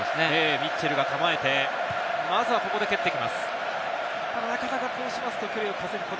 ミッチェルが構えて、まずは、ここで蹴っていきます。